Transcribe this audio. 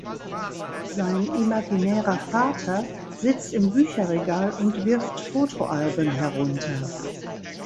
Sein imaginärer Vater sitzt im Bücherregal und wirft Fotoalben herunter.